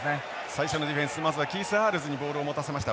最初のディフェンスまずはキースアールズにボールを持たせました。